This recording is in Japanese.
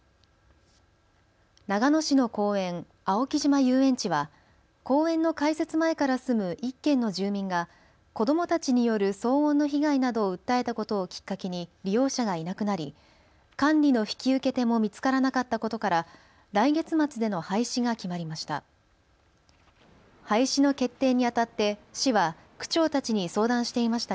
長野市の公園、青木島遊園地は公園の開設前から住む１軒の住民が子どもたちによる騒音の被害などを訴えたことをきっかけに利用者がいなくなり管理の引き受け手も見つからなかったことから来月末での廃止が決まりました。